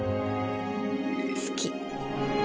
好き。